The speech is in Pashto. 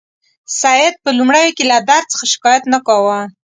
سید په لومړیو کې له درد څخه شکایت نه کاوه.